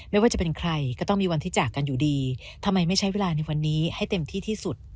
ไม่ว่าจะเป็นใครก็ต้องมีวันที่จากกันอยู่ดีทำไมไม่ใช้เวลาในวันนี้ให้เต็มที่ที่สุด